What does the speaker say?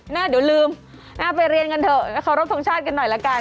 เดี๋ยวลืมไปเรียนกันเถอะขอรบทรงชาติกันหน่อยละกัน